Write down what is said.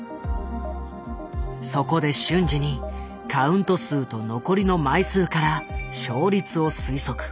そこで瞬時にカウント数と残りの枚数から勝率を推測。